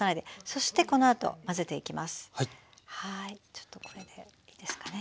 ちょっとこれでいいですかね。